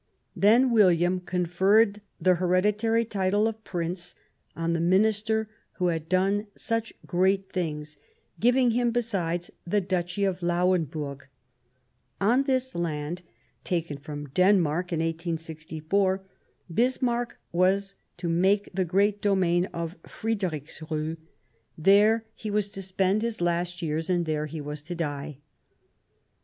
^ Then William conferred the hereditary title of Prince on the Minister who had done such great things, giving him besides the Duchy of fifsmarck Lauenburg. On this land, taken from Denmark in 1864, Bismarck was to make the great domain of Friedrichsruh. There he 166 The German Empire was to spend his last years, and there he was to die.